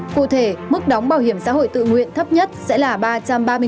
cụ thể mức đóng bảo hiểm xã hội tự nguyện thấp nhất là